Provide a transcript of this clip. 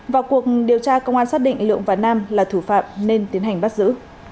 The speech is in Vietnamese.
vào cuộc điều tra công an xác định lượng và nam là thủ phạm nên tiến hành bắt giữ